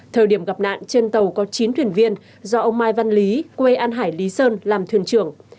thời điểm gặp nạn trên tàu có chín thuyền viên do ông mai văn lý quê an hải lý sơn làm thuyền trưởng